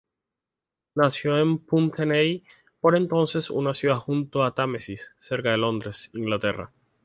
Nacido en Putney, por entonces una ciudad junto al Támesis, cerca de Londres, Inglaterra.